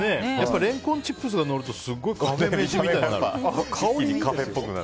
レンコンチップスがのるとすごいカフェ飯みたいになる。